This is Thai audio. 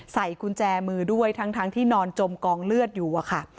ใส่กุญแจมือด้วยทั้งที่นอนจมกองเลือดอยู่อะค่ะ